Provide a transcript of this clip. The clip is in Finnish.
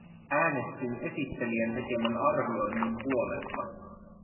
Äänestin esittelijän tekemän arvioinnin puolesta.